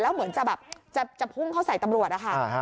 เหมือนจะแบบจะพุ่งเข้าใส่ตำรวจนะคะ